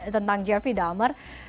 tentang jeffrey dahmer